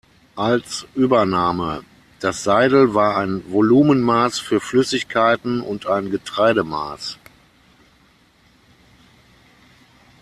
Als Übername: Das Seidel war ein Volumenmaß für Flüssigkeiten und ein Getreidemaß.